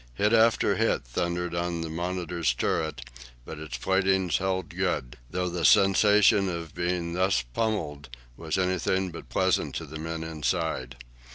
Hit after hit thundered on the "Monitor's" turret, but its plating held good, though the sensation of being thus pummelled was anything but pleasant to the men inside.